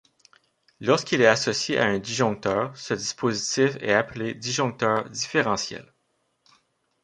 Lorsqu'il est associé à un disjoncteur, ce dispositif est appelé disjoncteur différentiel.